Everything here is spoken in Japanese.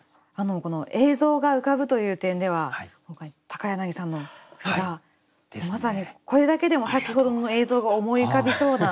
映像が浮かぶという点では柳さんの句がまさにこれだけでも先ほどの映像が思い浮かびそうな。